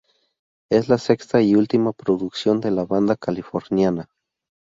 Es la sexta y última producción de la banda californiana.